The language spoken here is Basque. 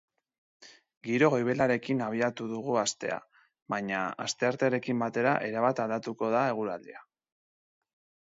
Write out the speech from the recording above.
Giro goibelarekin abiatu dugu astea, baina asteartearekin batera erabat aldatuko da eguraldia.